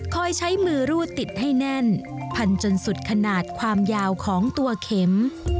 ใช้มือรูดติดให้แน่นพันจนสุดขนาดความยาวของตัวเข็ม